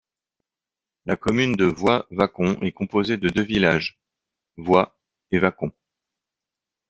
La commune de Void-Vacon est composée de deux villages, Void et Vacon.